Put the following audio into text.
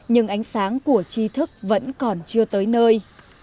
nhưng ánh sáng của chi thức vẫn còn chưa tới nơi